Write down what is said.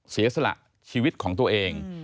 เสียสละชีวิตของตัวเอง